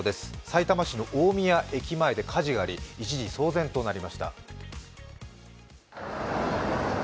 さいたま市の大宮駅前で火事があり、一時、騒然となりました。